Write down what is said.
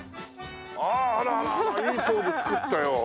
ああらあらあらいいポーズ作ったよ。